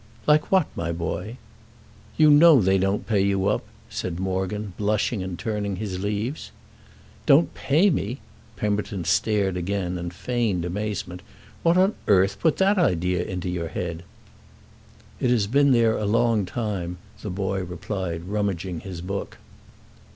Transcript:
"Like what, my boy?" "You know they don't pay you up," said Morgan, blushing and turning his leaves. "Don't pay me?" Pemberton stared again and feigned amazement. "What on earth put that into your head?" "It has been there a long time," the boy replied rummaging his book.